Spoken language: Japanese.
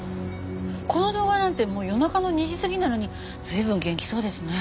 この動画なんてもう夜中の２時過ぎなのに随分元気そうですね。